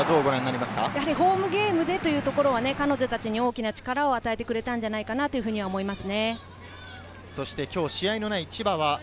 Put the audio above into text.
ホームゲームというのは彼女たちに大きな力を与えてくれたのではないかと思います。